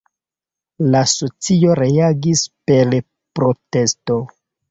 La socio reagis per protesto.